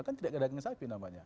kan tidak dagang sapi namanya